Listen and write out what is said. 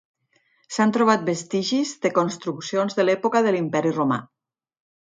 S'han trobat vestigis de construccions de l'època de l'Imperi Romà.